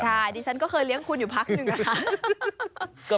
ใช่ดิฉันก็เคยเลี้ยงคุณอยู่พักหนึ่งนะคะ